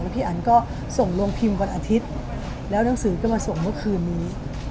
พี่อันก็ส่งโรงพิมพ์วันอาทิตย์แล้วหนังสือก็มาส่งเมื่อคืนนี้